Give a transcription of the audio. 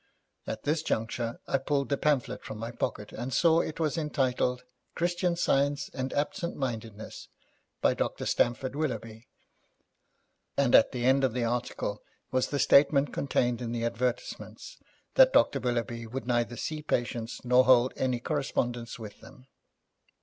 At this juncture I pulled the pamphlet from my pocket, and saw it was entitled Christian Science and Absent Mindedness, by Dr. Stamford Willoughby, and at the end of the article was the statement contained in the advertisements, that Dr Willoughby would neither see patients nor hold any correspondence with them.